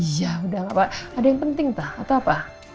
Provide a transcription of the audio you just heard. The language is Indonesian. ya udah gak apa apa ada yang penting tau atau apa